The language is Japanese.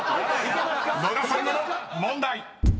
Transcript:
［野田さんへの問題］